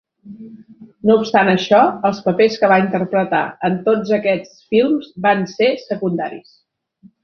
No obstant això, els papers que va interpretar en tots aquests films van ser secundaris.